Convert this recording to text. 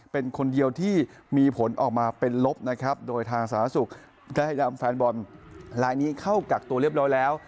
เป็นคนเดียวที่มีผลออกมาเป็นลบนะครับโดยทางสาธารณสุขได้นำแฟนบอลลายนี้เข้ากักตัวเรียบร้อยแล้ว